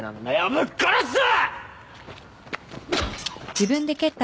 ぶっ殺すぞ！